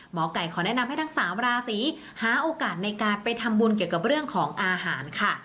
หมอไก่ขอแนะนำให้ทั้ง๓ราศีหาโอกาสในการไปทำบุญเกี่ยวกับเรื่องของอาหารค่ะ